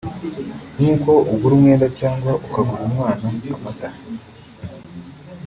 nk’uko agura umwenda cyangwa akagurira umwana amata